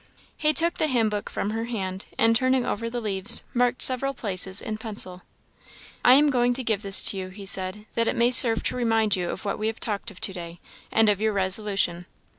He took the hymn book from her hand, and turning over the leaves, marked several places in pencil. "I am going to give you this," he said, "that it may serve to remind you of what we have talked of to day, and of your resolution."